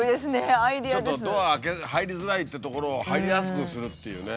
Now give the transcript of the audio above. ちょっと入りづらいってところを入りやすくするっていうね。